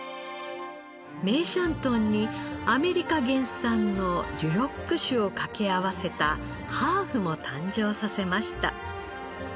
梅山豚にアメリカ原産のデュロック種を掛け合わせたハーフも誕生させました。